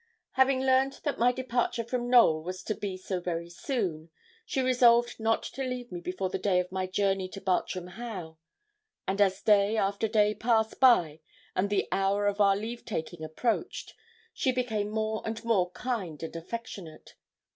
Having learned that my departure from Knowl was to be so very soon, she resolved not to leave me before the day of my journey to Bartram Haugh; and as day after day passed by, and the hour of our leave taking approached, she became more and more kind and affectionate.